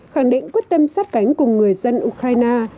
khẳng định quyết tâm sát cánh cùng người dân ukraine